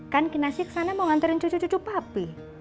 kan kinanti ke sana mau nganterin cucu cucu papi